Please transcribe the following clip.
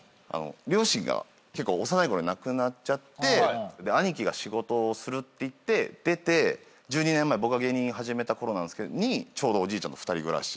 両親が結構幼いころに亡くなっちゃって兄貴が仕事をするって言って出て１２年前僕が芸人始めたころにちょうどおじいちゃんと二人暮らし。